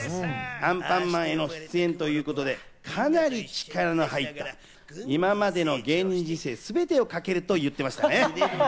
『アンパンマン』への出演ということで、かなり力の入った、今までの芸人人生すべてをかけると言ってましたね。